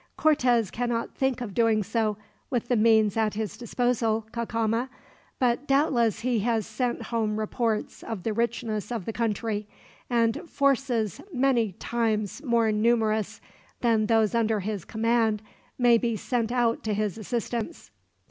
"Cortez cannot think of doing so, with the means at his disposal, Cacama; but doubtless he has sent home reports of the richness of the country, and forces many times more numerous than those under his command may be sent out to his assistance."